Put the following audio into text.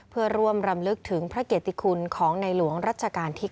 เพื่อร่วมรำลึกถึงพระเกติคุณของในหลวงรัชกาลที่๙